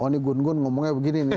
oh ini gun gun ngomongnya begini nih